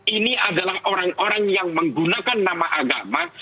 ini adalah orang orang yang menggunakan nama agama